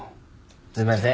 すいません。